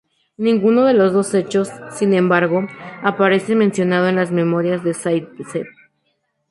Ninguno de los dos hechos, sin embargo, aparece mencionado en las memorias de Záitsev.